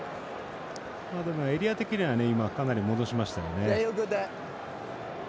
エリア的にはかなり戻しましたよね。